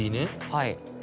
はい。